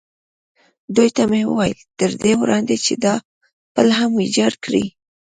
دوی ته مې وویل: تر دې وړاندې چې دا پل هم ویجاړ کړي.